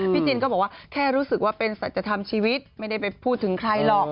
จินก็บอกว่าแค่รู้สึกว่าเป็นสัจธรรมชีวิตไม่ได้ไปพูดถึงใครหรอก